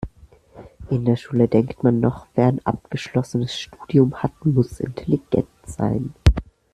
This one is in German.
In der Schule denkt man noch, wer ein abgeschlossenes Studium hat, muss intelligent sein.